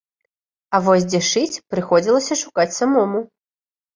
А вось дзе шыць, прыходзілася шукаць самому.